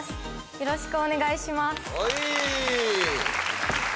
よろしくお願いします